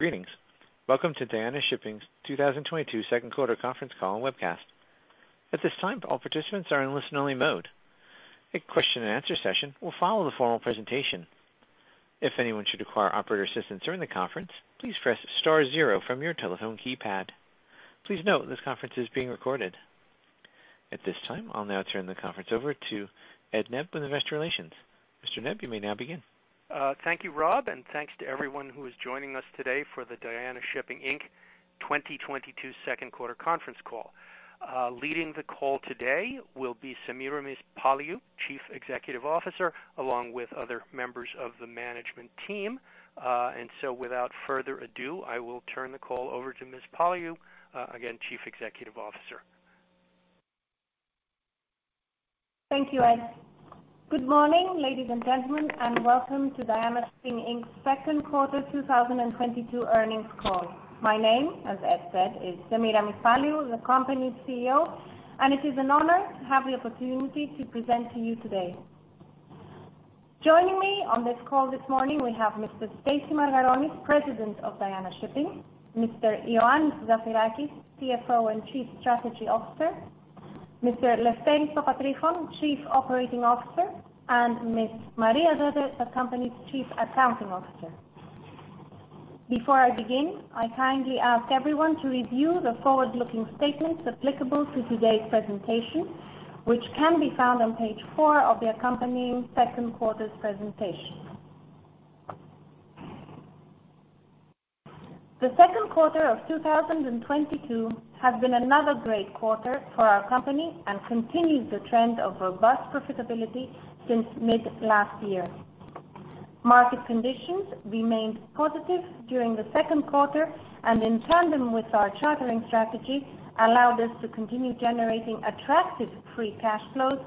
Greetings. Welcome to Diana Shipping's 2022 Second Quarter Conference Call and Webcast. At this time, all participants are in listen-only mode. A question-and-answer session will follow the formal presentation. If anyone should require operator assistance during the conference, please press star zero from your telephone keypad. Please note this conference is being recorded. At this time, I'll now turn the conference over to Ed Nebb with Investor Relations. Mr. Nebb, you may now begin. Thank you, Rob, and thanks to everyone who is joining us today for the Diana Shipping Inc. 2022 Second Quarter Conference Call. Leading the call today will be Semiramis Paliou, Chief Executive Officer, along with other members of the management team. Without further ado, I will turn the call over to Ms. Paliou, again, Chief Executive Officer. Thank you, Ed. Good morning, ladies and gentlemen, and welcome to Diana Shipping Inc.'s Second Quarter 2022 Earnings Call. My name, as Ed said, is Semiramis Paliou, the company's CEO, and it is an honor to have the opportunity to present to you today. Joining me on this call this morning, we have Mr. Stasi Margaronis, President of Diana Shipping, Mr. Ioannis Zafirakis, CFO and Chief Strategy Officer, Mr. Eleftherios Papatrifon, Chief Operating Officer, and Ms. Maria Dede, the company's Chief Accounting Officer. Before I begin, I kindly ask everyone to review the forward-looking statements applicable to today's presentation, which can be found on page four of the accompanying second quarter's presentation. The second quarter of 2022 has been another great quarter for our company and continues the trend of robust profitability since mid last year. Market conditions remained positive during the second quarter, and in tandem with our chartering strategy, allowed us to continue generating attractive free cash flows.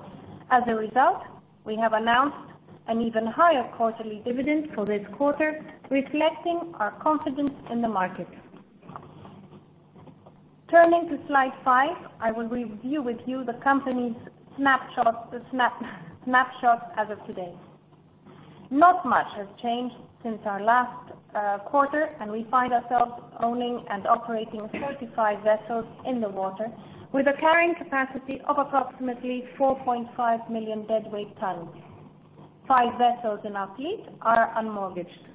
As a result, we have announced an even higher quarterly dividend for this quarter, reflecting our confidence in the market. Turning to slide five, I will review with you the company's snapshots as of today. Not much has changed since our last quarter, and we find ourselves owning and operating 45 vessels in the water with a carrying capacity of approximately 4.5 million deadweight tonnage. Five vessels in our fleet are unmortgaged.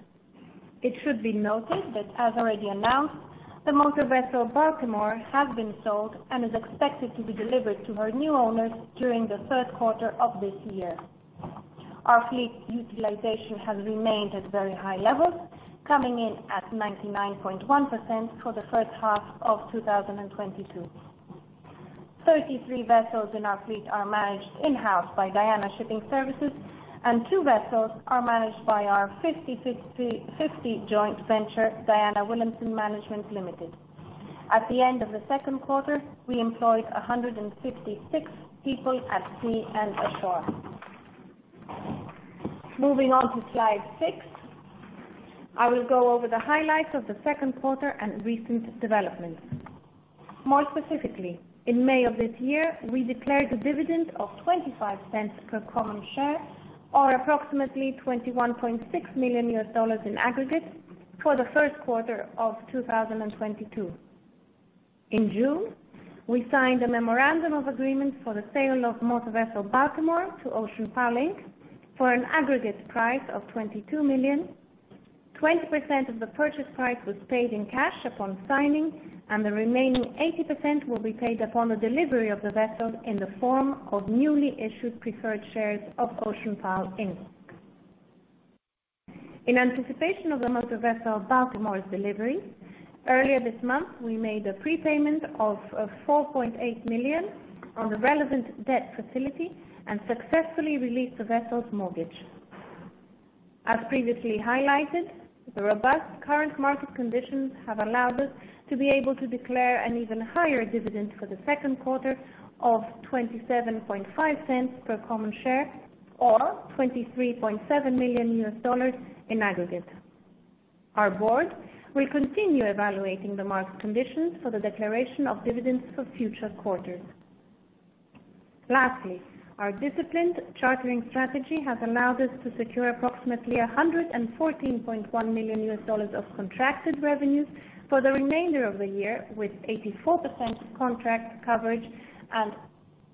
It should be noted that as already announced, the m/v Baltimore has been sold and is expected to be delivered to her new owners during the third quarter of this year. Our fleet utilization has remained at very high levels, coming in at 99.1% for the first half of 2022. 33 vessels in our fleet are managed in-house by Diana Shipping Services, and two vessels are managed by our 50/50 joint venture, Diana Wilhelmsen Management Limited. At the end of the second quarter, we employed 156 people at sea and ashore. Moving on to slide six, I will go over the highlights of the second quarter and recent developments. More specifically, in May of this year, we declared a dividend of $0.25 per common share, or approximately $21.6 million in aggregate for the first quarter of 2022. In June, we signed a memorandum of agreement for the sale of motor vessel Baltimore to OceanPal Inc. for an aggregate price of $22 million. 20% of the purchase price was paid in cash upon signing, and the remaining 80% will be paid upon the delivery of the vessel in the form of newly issued preferred shares of OceanPal Inc. In anticipation of the motor vessel Baltimore's delivery, earlier this month, we made a prepayment of $4.8 million on the relevant debt facility and successfully released the vessel's mortgage. As previously highlighted, the robust current market conditions have allowed us to be able to declare an even higher dividend for the second quarter of $0.275 per common share, or $23.7 million in aggregate. Our board will continue evaluating the market conditions for the declaration of dividends for future quarters. Lastly, our disciplined chartering strategy has allowed us to secure approximately $114.1 million of contracted revenues for the remainder of the year, with 84% contract coverage and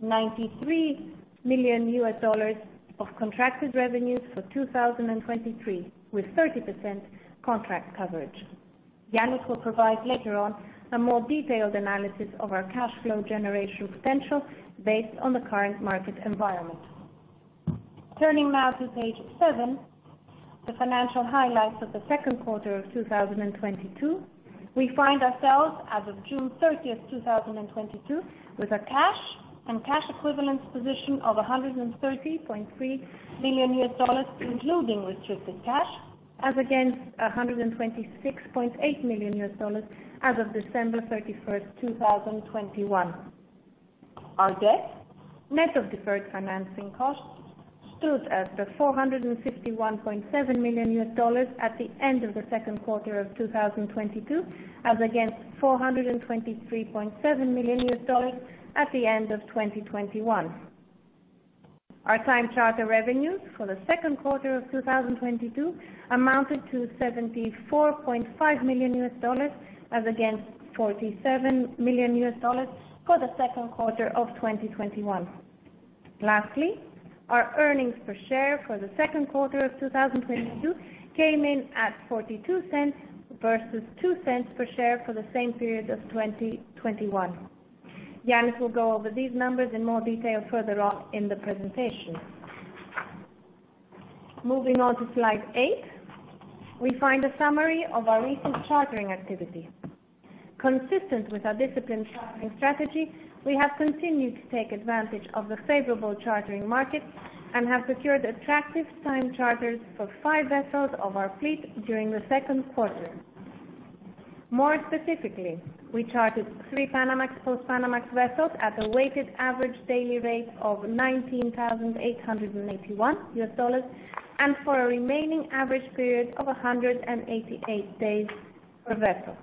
$93 million of contracted revenues for 2023, with 30% contract coverage. Yannis will provide later on a more detailed analysis of our cash flow generation potential based on the current market environment. Turning now to page seven, the financial highlights of the second quarter of 2022, we find ourselves as of June 30, 2022, with a cash and cash equivalents position of $130.3 million, including restricted cash, as against $126.8 million as of December 31st, 2021. Our debt, net of deferred financing costs, stood at $451.7 million at the end of the second quarter of 2022, as against $423.7 million at the end of 2021. Our time charter revenues for the second quarter of 2022 amounted to $74.5 million, as against $47 million for the second quarter of 2021. Lastly, our earnings per share for the second quarter of 2022 came in at $0.42 versus $0.02 per share for the same period of 2021. Yannis will go over these numbers in more detail further on in the presentation. Moving on to slide eight, we find a summary of our recent chartering activity. Consistent with our disciplined chartering strategy, we have continued to take advantage of the favorable chartering market and have secured attractive time charters for five vessels of our fleet during the second quarter. More specifically, we chartered three Panamax/Post-Panamax vessels at a weighted average daily rate of $19,881 and for a remaining average period of 188 days per vessel.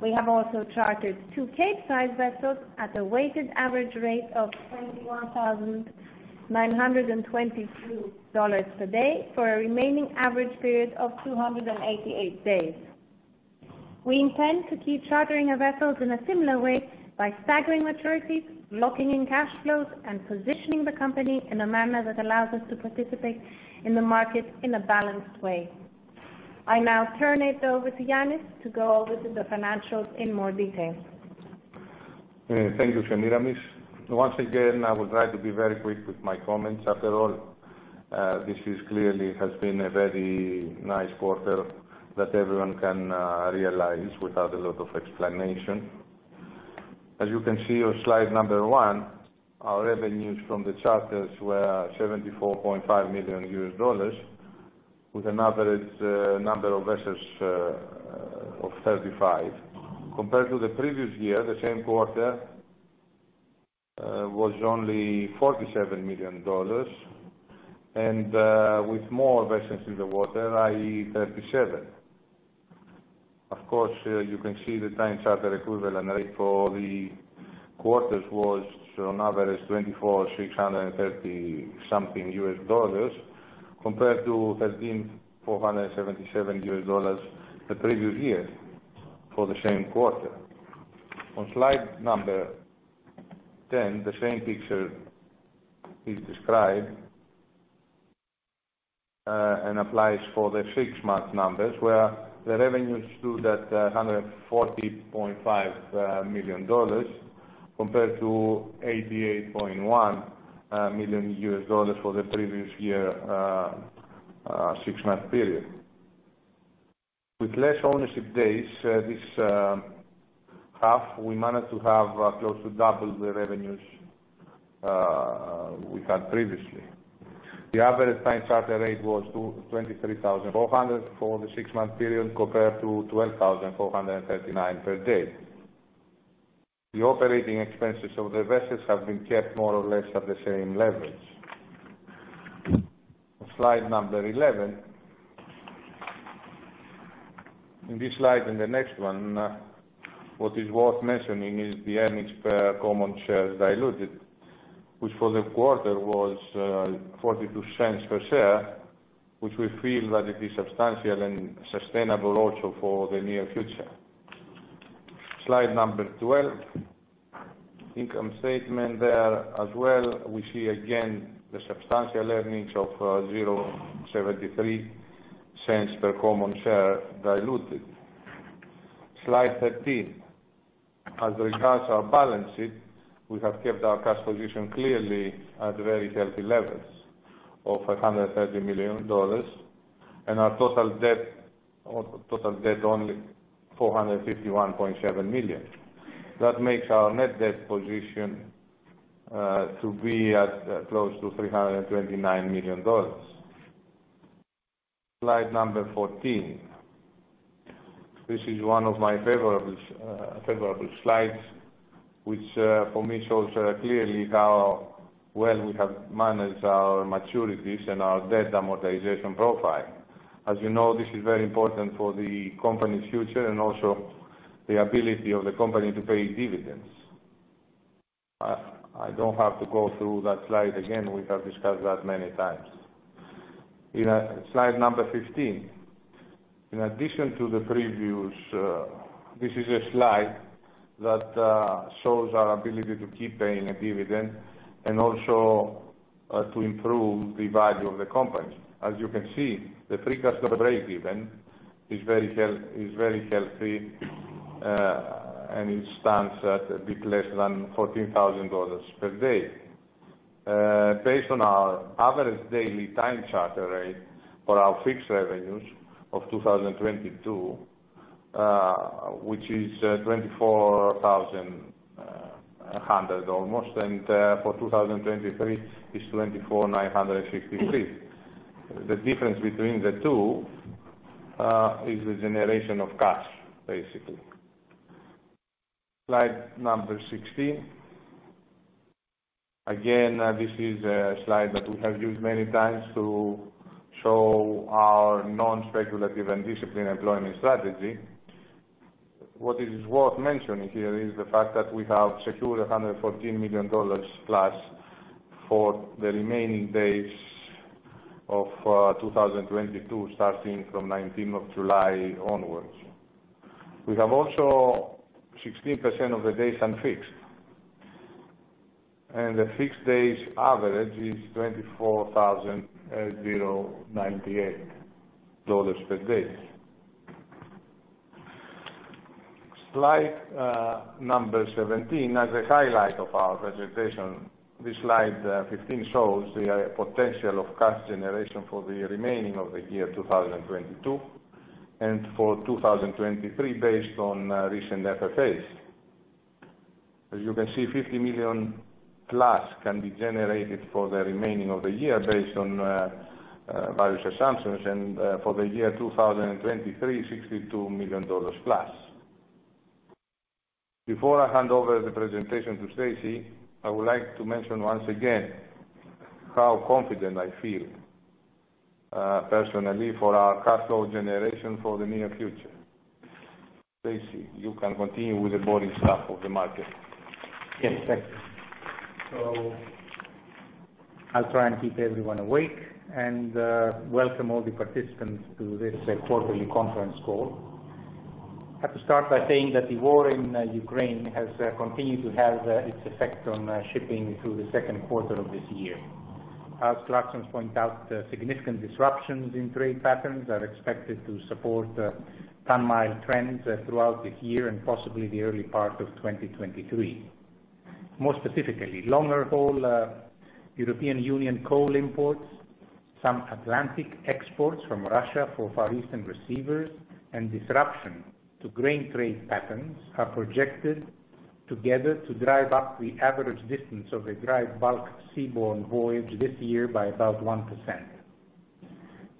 We have also chartered two Capesize vessels at a weighted average rate of $21,922 per day for a remaining average period of 288 days. We intend to keep chartering our vessels in a similar way by staggering maturities, locking in cash flows, and positioning the company in a manner that allows us to participate in the market in a balanced way. I now turn it over to Yannis to go over the financials in more detail. Thank you, Semiramis. Once again, I will try to be very quick with my comments. After all, this is clearly has been a very nice quarter that everyone can realize without a lot of explanation. As you can see on slide number one, our revenues from the charters were $74.5 million with an average number of vessels of 35. Compared to the previous year, the same quarter was only $47 million and with more vessels in the water, i.e., 37. Of course, you can see the time charter equivalent rate for the quarters was an average $24,630-something compared to $13,477 the previous year for the same quarter. On slide number 10, the same picture is described and applies for the six month numbers, where the revenues stood at $144.5 million compared to $88.1 million for the previous year six month period. With less ownership days this half, we managed to have close to double the revenues we had previously. The average time charter rate was 23,400 for the six month period compared to 12,439 per day. The operating expenses of the vessels have been kept more or less at the same levels. On slide number 11. In this slide and the next one, what is worth mentioning is the earnings per common shares diluted, which for the quarter was $0.42 per share, which we feel that it is substantial and sustainable also for the near future. Slide 12. Income statement there as well, we see again the substantial earnings of $0.73 per common share diluted. Slide 13. As regards our balance sheet, we have kept our cash position clearly at very healthy levels of $130 million, and our total debt only $451.7 million. That makes our net debt position to be at close to $329 million. Slide 14. This is one of my favorite slides, which for me shows clearly how well we have managed our maturities and our debt amortization profile. As you know, this is very important for the company's future and also the ability of the company to pay dividends. I don't have to go through that slide again. We have discussed that many times. In slide number 15. In addition to the previous, this is a slide that shows our ability to keep paying a dividend and also to improve the value of the company. As you can see, the free cash flow breakeven is very healthy, and it stands at a bit less than $14,000 per day. Based on our average daily time charter rate for our fixed revenues of 2022, which is, $24,100 almost, and, for 2023 is $24,963. The difference between the two, is the generation of cash, basically. Slide number 16. Again, this is a slide that we have used many times to show our non-speculative and disciplined employment strategy. What is worth mentioning here is the fact that we have secured $114 million+ for the remaining days of 2022, starting from July 19 onwards. We have also 16% of the days unfixed, and the fixed days average is $24,098 per day. Slide number 17. As a highlight of our presentation, this slide 15 shows the potential of cash generation for the remaining of the year 2022 and for 2023 based on recent FFAs. As you can see, $50 million+ can be generated for the remaining of the year based on various assumptions, and for the year 2023, $62 million+. Before I hand over the presentation to Stasi, I would like to mention once again how confident I feel personally for our cash flow generation for the near future. Stasi, you can continue with the boring stuff of the market. Yes, thank you. I'll try and keep everyone awake and welcome all the participants to this quarterly conference call. I have to start by saying that the war in Ukraine has continued to have its effect on shipping through the second quarter of this year. As Clarksons point out, significant disruptions in trade patterns are expected to support ton-mile trends throughout the year and possibly the early part of 2023. More specifically, longer-haul European Union coal imports, some Atlantic exports from Russia for Far Eastern receivers, and disruption to grain trade patterns are projected together to drive up the average distance of a dry bulk seaborne voyage this year by about 1%.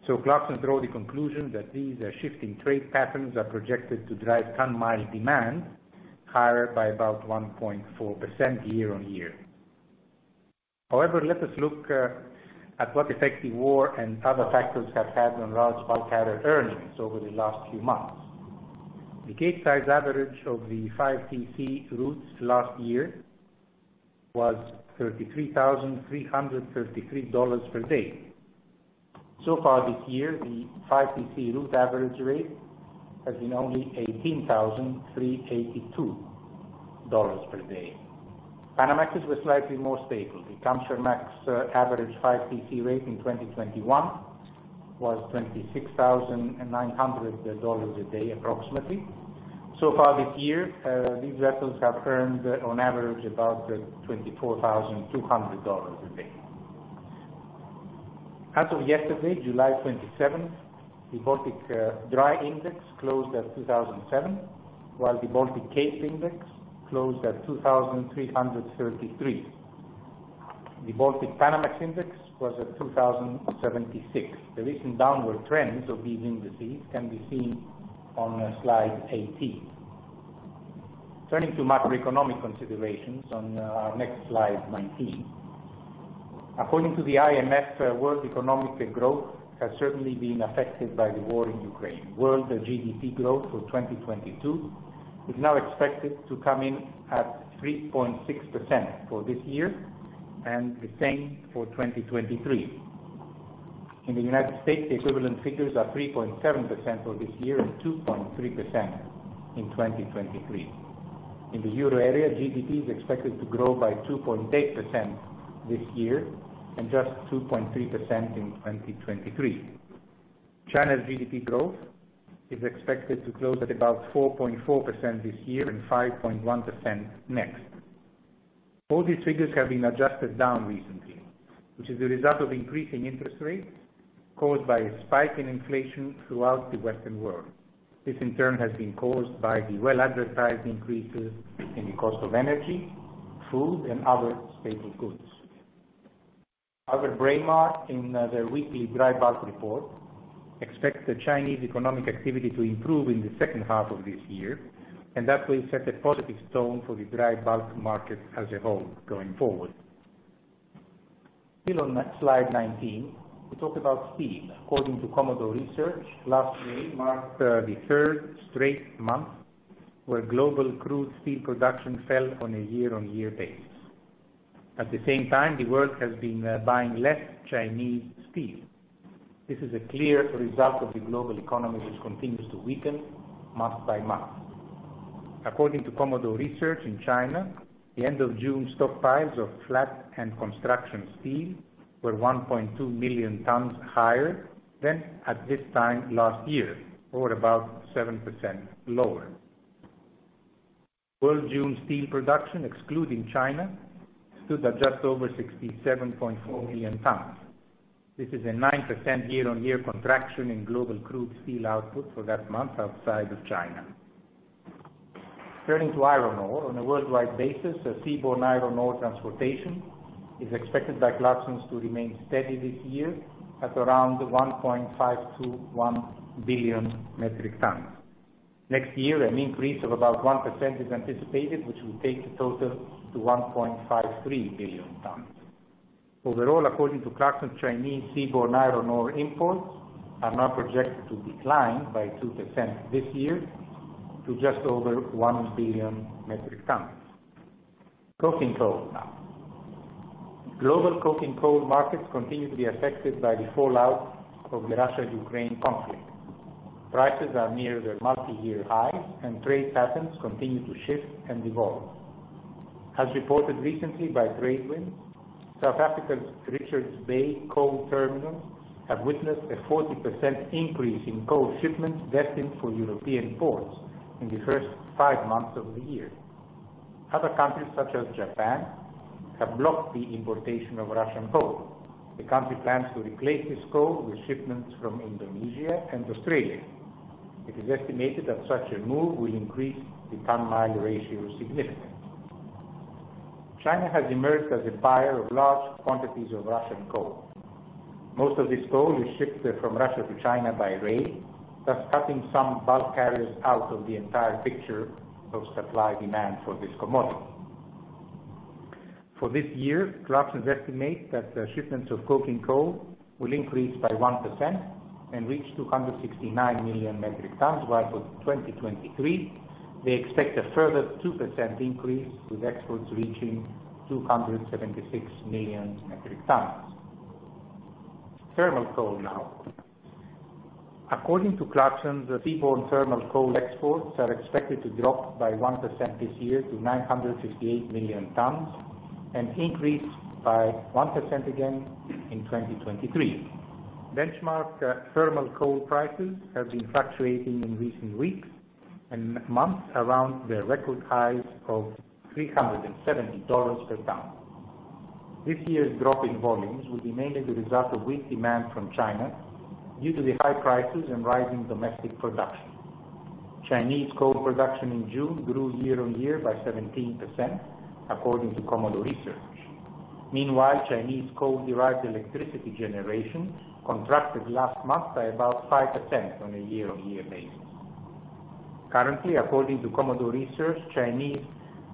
Clarksons drew the conclusion that these shifting trade patterns are projected to drive ton-mile demand higher by about 1.4% year-on-year. However, let us look at what effect the war and other factors have had on large bulk carrier earnings over the last few months. The Capesize average of the 5TC routes last year was $33,333 per day. Far this year, the 5TC route average rate has been only $18,382 per day. Panamax was slightly more stable. The Panamax average 5TC rate in 2021 was $26,900 a day, approximately. Far this year, these vessels have earned on average about $24,200 a day. As of yesterday, July 27th, the Baltic Dry Index closed at 2,007, while the Baltic Cape Index closed at 2,333. The Baltic Panamax Index was at 2,076. The recent downward trends of these indices can be seen on slide 18. Turning to macroeconomic considerations on our next slide 19. According to the IMF, world economic growth has certainly been affected by the war in Ukraine. World GDP growth for 2022 is now expected to come in at 3.6% for this year and the same for 2023. In the United States, the equivalent figures are 3.7% for this year and 2.3% in 2023. In the Euro area, GDP is expected to grow by 2.8% this year and just 2.3% in 2023. China's GDP growth is expected to close at about 4.4% this year and 5.1% next. All these figures have been adjusted down recently, which is the result of increasing interest rates caused by a spike in inflation throughout the Western world. This, in turn, has been caused by the well-advertised increases in the cost of energy, food, and other staple goods. Albert Braemar, in the weekly dry bulk report, expects the Chinese economic activity to improve in the second half of this year, and that will set a positive tone for the dry bulk market as a whole going forward. Still on slide 19, we talk about steel. According to Commodore Research, last May marked the third straight month where global crude steel production fell on a year-on-year basis. At the same time, the world has been buying less Chinese steel. This is a clear result of the global economy, which continues to weaken month-by-month. According to Commodore Research in China, the end of June stockpiles of flat and construction steel were 1.2 million tons higher than at this time last year, or about 7% lower. World June steel production, excluding China, stood at just over 67.4 million tons. This is a 9% year-on-year contraction in global crude steel output for that month outside of China. Turning to iron ore. On a worldwide basis, a seaborne iron ore transportation is expected by Clarksons to remain steady this year at around 1.521 billion metric tons. Next year, an increase of about 1% is anticipated, which will take the total to 1.53 billion tons. Overall, according to Clarksons, Chinese seaborne iron ore imports are now projected to decline by 2% this year to just over 1 billion metric tons. Coking coal now. Global coking coal markets continue to be affected by the fallout of the Russia-Ukraine conflict. Prices are near their multi-year high, and trade patterns continue to shift and evolve. As reported recently by TradeWinds, South Africa's Richards Bay coal terminals have witnessed a 40% increase in coal shipments destined for European ports in the first five months of the year. Other countries, such as Japan, have blocked the importation of Russian coal. The country plans to replace this coal with shipments from Indonesia and Australia. It is estimated that such a move will increase the ton-mile ratio significantly. China has emerged as a buyer of large quantities of Russian coal. Most of this coal is shipped from Russia to China by rail, thus cutting some bulk carriers out of the entire picture of supply demand for this commodity. For this year, Clarksons estimate that the shipments of coking coal will increase by 1% and reach 269 million metric tons. While for 2023, they expect a further 2% increase, with exports reaching 276 million metric tons. Thermal coal now. According to Clarksons, the seaborne thermal coal exports are expected to drop by 1% this year to 958 million tons and increase by 1% again in 2023. Benchmark thermal coal prices have been fluctuating in recent weeks and months around their record highs of $370 per ton. This year's drop in volumes will be mainly the result of weak demand from China due to the high prices and rising domestic production. Chinese coal production in June grew year-on-year by 17%, according to Commodore Research. Meanwhile, Chinese coal-derived electricity generation contracted last month by about 5% on a year-on-year basis. Currently, according to Commodore Research, Chinese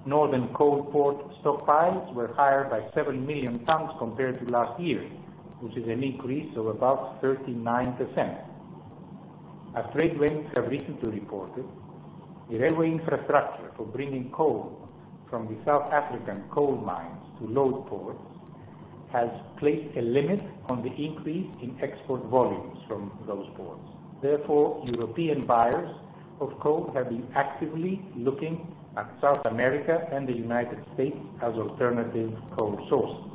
northern coal port stockpiles were higher by 7 million tons compared to last year, which is an increase of about 39%. As TradeWinds have recently reported, the railway infrastructure for bringing coal from the South African coal mines to load ports has placed a limit on the increase in export volumes from those ports. Therefore, European buyers of coal have been actively looking at South America and the United States as alternative coal sources.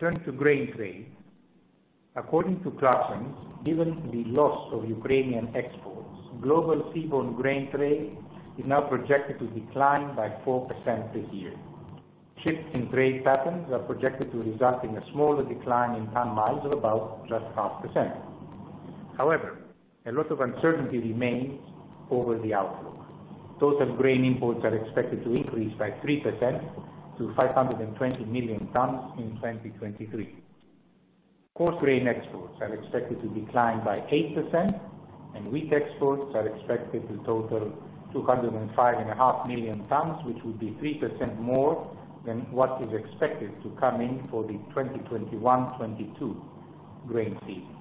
Turning to grain trade. According to Clarksons, given the loss of Ukrainian exports, global seaborne grain trade is now projected to decline by 4% this year. Shifts in trade patterns are projected to result in a smaller decline in ton miles of about just 0.5%. However, a lot of uncertainty remains over the outlook. Total grain imports are expected to increase by 3% to 520 million tons in 2023. Coarse grain exports are expected to decline by 8%, and wheat exports are expected to total 205.5 million tons, which would be 3% more than what is expected to come in for the 2021-2022 grain season.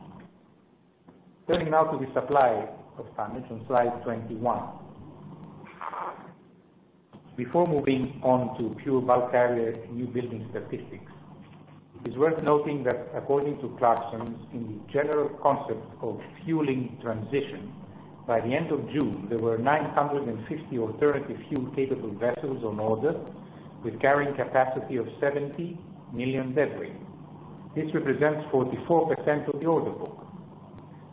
Turning now to the supply of tonnage on slide 21. Before moving on to pure bulk carrier new building statistics, it is worth noting that according to Clarksons, in the general concept of fueling transition, by the end of June, there were 950 alternative fuel-capable vessels on order with carrying capacity of 70 million deadweight. This represents 44% of the order book.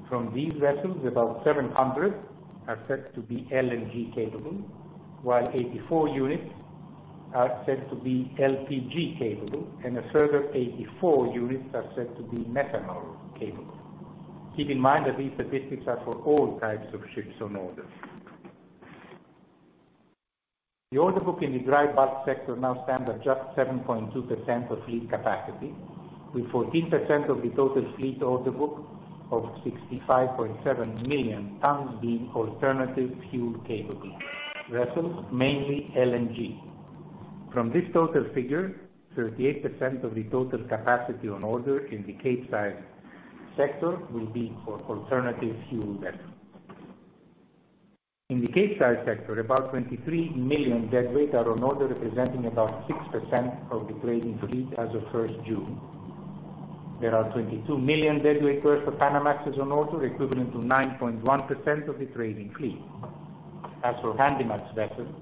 From these vessels, about 700 are said to be LNG capable, while 84 units are said to be LPG capable, and a further 84 units are said to be methanol capable. Keep in mind that these statistics are for all types of ships on order. The order book in the dry bulk sector now stands at just 7.2% of fleet capacity, with 14% of the total fleet order book of 65.7 million tons being alternative fuel capable vessels, mainly LNG. From this total figure, 38% of the total capacity on order in the Capesize sector will be for alternative fuel vessels. In the Capesize sector, about 23 million deadweight are on order, representing about 6% of the trading fleet as of June 1. There are 22 million deadweight tons of Panamaxes on order, equivalent to 9.1% of the trading fleet. As for Handymax vessels,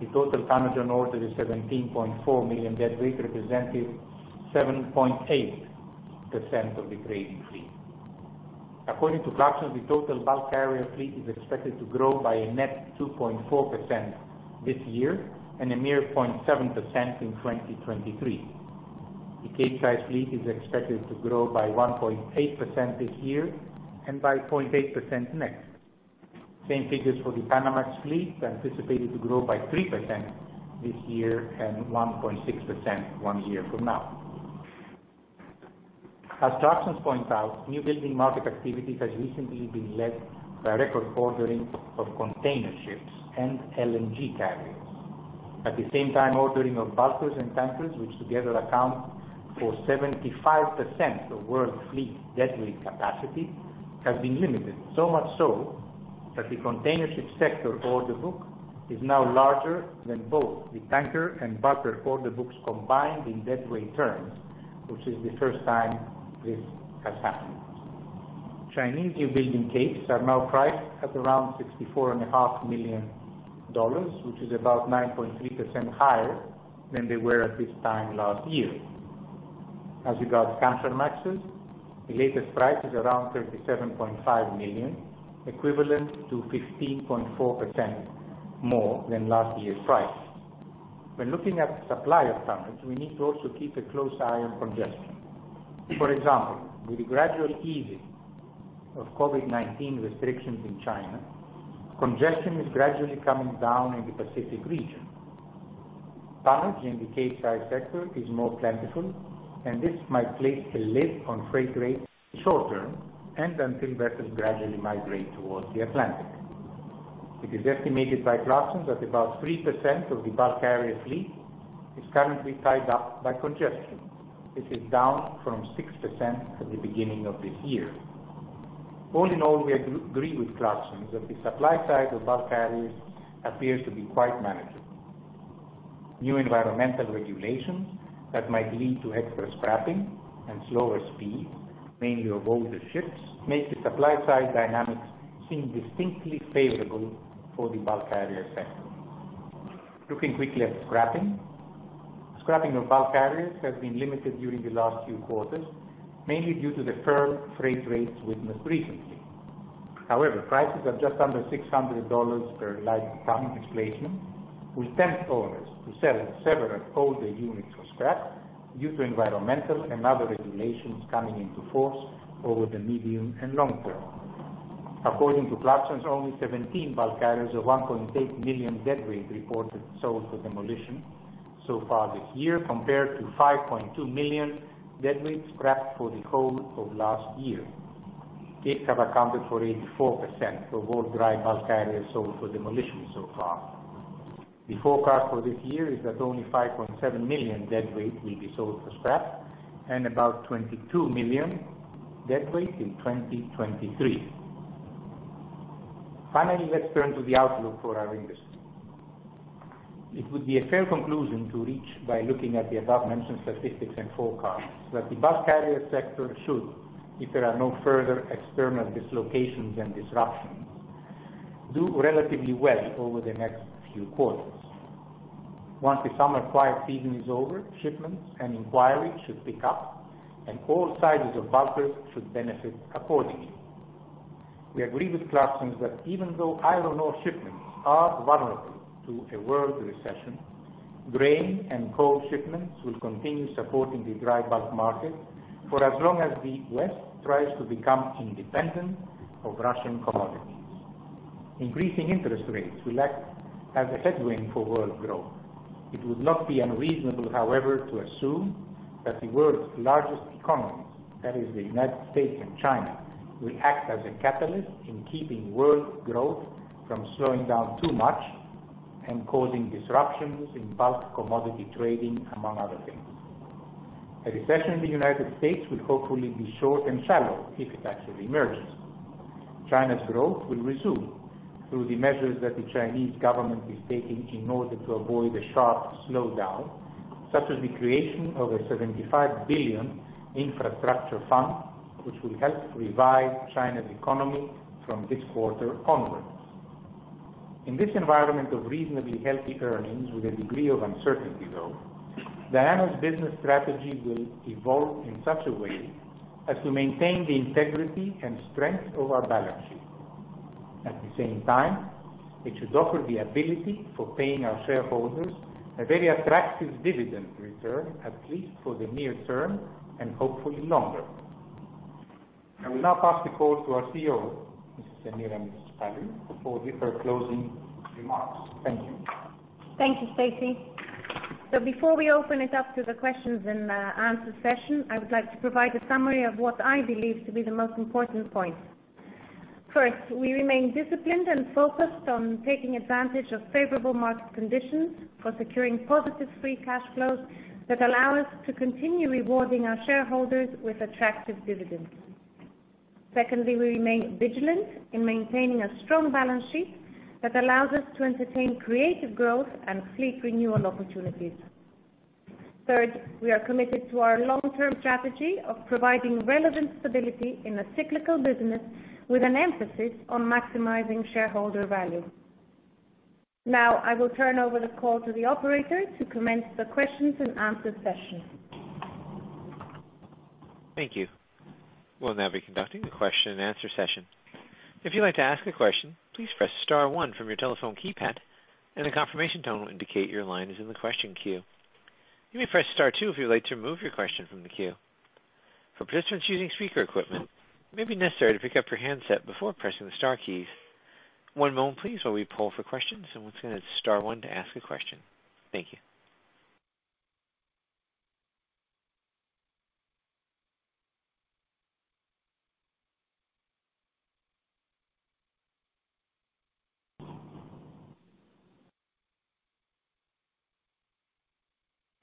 the total tonnage on order is 17.4 million deadweight, representing 7.8% of the trading fleet. According to Clarksons, the total bulk carrier fleet is expected to grow by a net 2.4% this year and a mere 0.7% in 2023. The Capesize fleet is expected to grow by 1.8% this year and by 0.8% next. Same figures for the Panamax fleet, anticipated to grow by 3% this year and 1.6% one year from now. As Clarksons point out, new building market activities has recently been led by record ordering of container ships and LNG carriers. At the same time, ordering of bulkers and tankers, which together account for 75% of world fleet deadweight capacity, has been limited so much so that the containership sector order book is now larger than both the tanker and bulker order books combined in deadweight terms, which is the first time this has happened. Chinese newbuilding Capesize are now priced at around $64.5 Million, which is about 9.3% higher than they were at this time last year. As regards tanker maxes, the latest price is around $37.5 million, equivalent to 15.4% more than last year's price. When looking at the supply of tonnage, we need to also keep a close eye on congestion. For example, with the gradual easing of COVID-19 restrictions in China, congestion is gradually coming down in the Pacific region. Tonnage in the Capesize sector is more plentiful, and this might place a lid on freight rates short term and until vessels gradually migrate towards the Atlantic. It is estimated by Clarksons that about 3% of the bulk carrier fleet is currently tied up by congestion. This is down from 6% at the beginning of this year. All in all, we agree with Clarksons that the supply side of bulk carriers appears to be quite manageable. New environmental regulations that might lead to extra scrapping and slower speeds, mainly of older ships, make the supply side dynamics seem distinctly favorable for the bulk carrier sector. Looking quickly at scrapping. Scrapping of bulk carriers has been limited during the last few quarters, mainly due to the current freight rates witnessed recently. However, prices are just under $600 per light ton, will tempt owners to sell several older units for scrap due to environmental and other regulations coming into force over the medium and long term. According to Clarksons, only 17 bulk carriers of 1.8 million deadweight reported sold for demolition so far this year, compared to 5.2 million deadweight scrapped for the whole of last year. These have accounted for 84% of all dry bulk carriers sold for demolition so far. The forecast for this year is that only 5.7 million deadweight will be sold for scrap and about 22 million deadweight in 2023. Finally, let's turn to the outlook for our industry. It would be a fair conclusion to reach by looking at the above-mentioned statistics and forecasts that the bulk carrier sector should, if there are no further external dislocations and disruptions, do relatively well over the next few quarters. Once the summer quiet season is over, shipments and inquiries should pick up, and all sizes of bulkers should benefit accordingly. We agree with Clarksons that even though iron ore shipments are vulnerable to a world recession, grain and coal shipments will continue supporting the dry bulk market for as long as the West tries to become independent of Russian commodities. Increasing interest rates will act as a headwind for world growth. It would not be unreasonable, however, to assume that the world's largest economies, that is the United States and China, will act as a catalyst in keeping world growth from slowing down too much and causing disruptions in bulk commodity trading, among other things. A recession in the United States will hopefully be short and shallow if it actually emerges. China's growth will resume through the measures that the Chinese government is taking in order to avoid a sharp slowdown, such as the creation of a $75 billion infrastructure fund, which will help revive China's economy from this quarter onwards. In this environment of reasonably healthy earnings with a degree of uncertainty, though, Diana's business strategy will evolve in such a way as to maintain the integrity and strength of our balance sheet. At the same time, it should offer the ability for paying our shareholders a very attractive dividend return, at least for the near term and hopefully longer. I will now pass the call to our CEO, Mrs. Semiramis Paliou, who will give her closing remarks. Thank you. Thank you, Stasi. Before we open it up to the questions-and-answer session, I would like to provide a summary of what I believe to be the most important points. First, we remain disciplined and focused on taking advantage of favorable market conditions for securing positive free cash flows that allow us to continue rewarding our shareholders with attractive dividends. Secondly, we remain vigilant in maintaining a strong balance sheet that allows us to entertain creative growth and fleet renewal opportunities. Third, we are committed to our long-term strategy of providing relevant stability in a cyclical business with an emphasis on maximizing shareholder value. Now, I will turn over the call to the operator to commence the questions-and-answer session. Thank you. We'll now be conducting the question-and-answer session. If you'd like to ask a question, please press star one from your telephone keypad and a confirmation tone will indicate your line is in the question queue. You may press star two if you'd like to remove your question from the queue. For participants using speaker equipment, it may be necessary to pick up your handset before pressing the star keys. One moment please, while we poll for questions, and once again it's star one to ask a question. Thank you.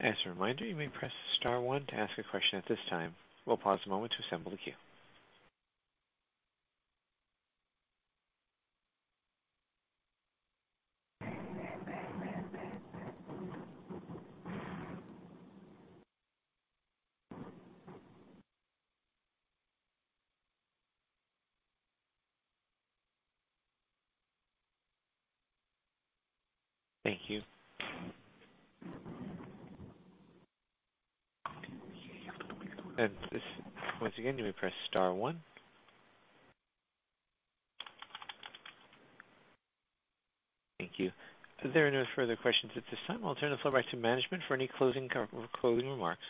As a reminder, you may press star one to ask a question at this time. We'll pause a moment to assemble the queue. Thank you. Once again, you may press star one. Thank you. There are no further questions at this time. I'll turn the floor back to management for any closing remarks.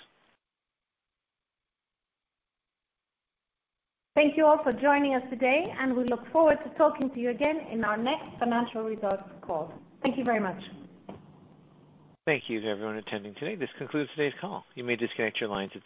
Thank you all for joining us today, and we look forward to talking to you again in our next financial results call. Thank you very much. Thank you to everyone attending today. This concludes today's call. You may disconnect your lines at this time.